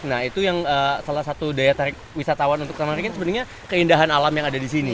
nah itu yang salah satu daya tarik wisatawan untuk menariknya sebenarnya keindahan alam yang ada disini